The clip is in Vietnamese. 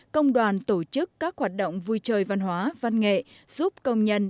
công đoàn tặng quà tặng vé xe miễn phí cho công nhân